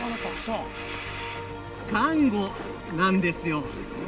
サンゴなんですよ。